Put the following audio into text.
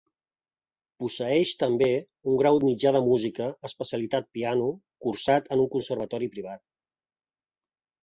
Posseeix també un grau mitjà de Música, especialitat piano, cursat en un conservatori privat.